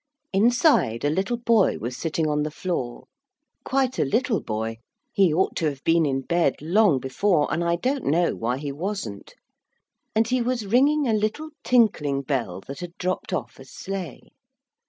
Inside a little boy was sitting on the floor quite a little boy he ought to have been in bed long before, and I don't know why he wasn't. And he was ringing a little tinkling bell that had dropped off a sleigh.